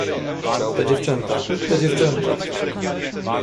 "Te dziewczęta, te dziewczęta!"